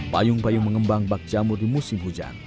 payung payung mengembang bak jamur di musim hujan